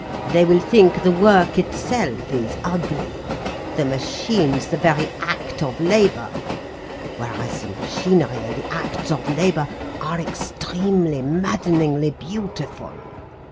They will think the work itself is ugly: the machines, the very act of labour. Whereas the machinery and the acts of labour are extremely, maddeningly beautiful.